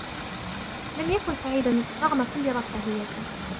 لم يكن سعيداً رغم كل رفاهيته